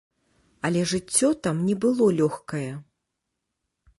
Але жыццё там не было лёгкае.